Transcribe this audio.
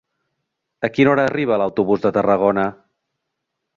A quina hora arriba l'autobús de Tarragona?